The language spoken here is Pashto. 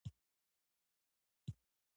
د ورپېښې ناروغۍ د سټېج پۀ حواله کيږي -